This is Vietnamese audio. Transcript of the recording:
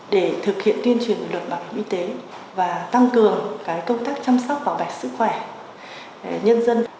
để thực hiện tuyên truyền về luật bảo hiểm y tế và tăng cường công tác chăm sóc bảo vệ sức khỏe nhân dân